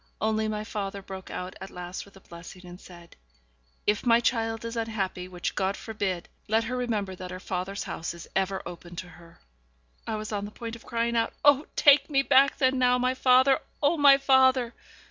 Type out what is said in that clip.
Only my father broke out at last with a blessing, and said, 'If my child is unhappy which God forbid let her remember that her father's house is ever open to her.' I was on the point of crying out, 'Oh! take me back then now, my father! oh, my father!'